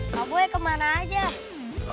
kak boy kemana aja